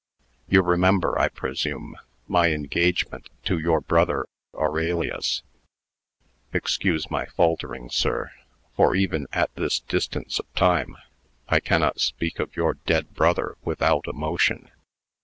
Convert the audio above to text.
You remember, I presume, my engagement to your brother Aurelius excuse my faltering, sir, for, even at this distance of time, I cannot speak of your dead brother without emotion.